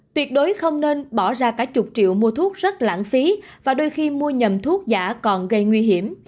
tuyệt đối không nên bỏ ra cả chục triệu mua thuốc rất lãng phí và đôi khi mua nhầm thuốc giả còn gây nguy hiểm